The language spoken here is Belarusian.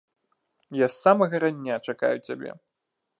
Я з самага рання чакаю цябе.